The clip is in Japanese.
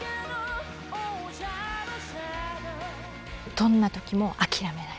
どんな時も諦めない。